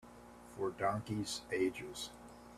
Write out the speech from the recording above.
For donkeys' ages.